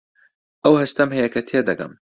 ئەو هەستەم هەیە کە تێدەگەم.